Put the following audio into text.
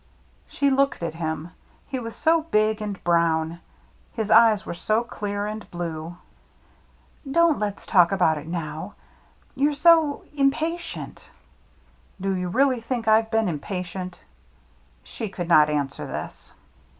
She looked at him. He was so big and brown ; his eyes were so clear and blue. " Don't let's talk about it now. You're so — impatient." " Do you really think I've been impa tient?" She could not answer this.